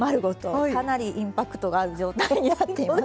かなりインパクトがある状態になっています。